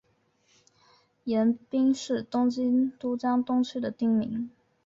盐滨是东京都江东区的町名。